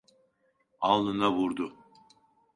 Alnına vurdu.